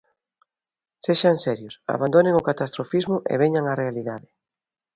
Sexan serios, abandonen o catastrofismo e veñan á realidade.